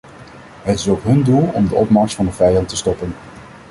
Het is ook hun doel om de opmars van de vijand te stoppen.